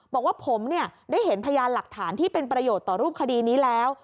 บอกว่าผมได้เห็นพยานหลักฐานที่เป็นประโยชน์ต่อรูปคดีนี้แล้ว